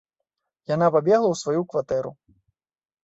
Яна пабегла ў сваю кватэру.